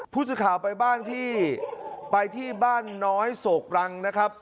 ผู้สื่อข่าวไปบ้านที่ไปที่บ้านน้อยโศกรังนะครับ